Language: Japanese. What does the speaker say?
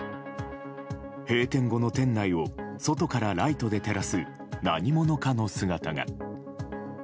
閉店後の店内を、外からライトで照らす何者かの姿が。